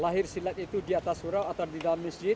lahir silat itu diatas surau atau di dalam masjid